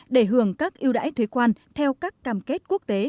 để hưởng các ưu đãi thuế quan theo các cam kết quốc tế